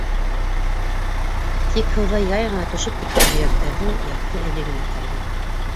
Тик һыуҙа яй ғына төшөп киткән һөйәктәрҙең яҡты эҙе генә ҡалды.